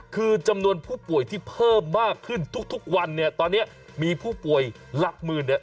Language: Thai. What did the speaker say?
คือจำนวนผู้ป่วยที่เพิ่มมากขึ้นทุกวันเนี่ยตอนนี้มีผู้ป่วยหลักหมื่นเนี่ย